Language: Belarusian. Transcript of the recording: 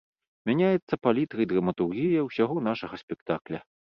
Мяняецца палітра і драматургія ўсяго нашага спектакля.